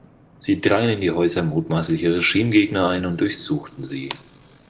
Sie drangen in die Häuser mutmaßlicher Regimegegner ein und durchsuchten sie.